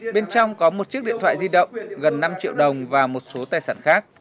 bên trong có một chiếc điện thoại di động gần năm triệu đồng và một số tài sản khác